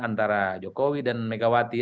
antara jokowi dan megawati